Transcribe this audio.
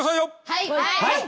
はい！